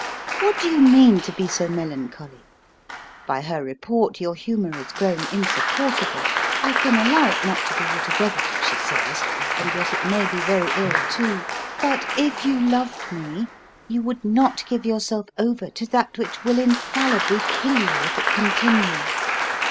What do you mean to be so melancholy? By her report your humour is grown insupportable. I can allow it not to be altogether what she says, and yet it may be very ill too; but if you loved me you would not give yourself over to that which will infallibly kill you, if it continue.